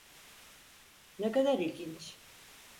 Ne kadar ilginç.